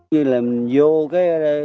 như là mình vô